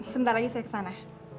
sebentar lagi saya ke sana